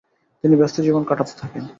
তিনি ব্যস্ত জীবন কাটাতে থাকেন।